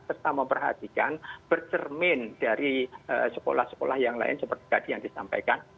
serta memperhatikan bercermin dari sekolah sekolah yang lain seperti tadi yang disampaikan